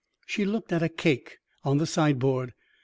She looked at a cake on the sideboard.